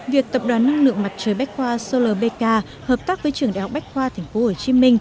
việc tập đoàn năng lượng mặt trời bách khoa solar bk hợp tác với trường đại học bách khoa tp hcm